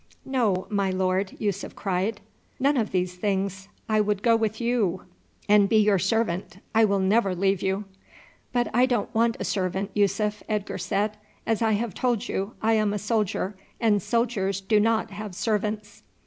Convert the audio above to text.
"No, my lord," Yussuf cried, "none of these things. I would go with you and be your servant; I will never leave you." "But I don't want a servant, Yussuf," Edgar said. "As I have told you, I am a soldier, and soldiers do not have servants."